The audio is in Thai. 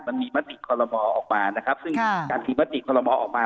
มันมีมติคอลโลมอออกมานะครับซึ่งการถือมติคอลโมออกมา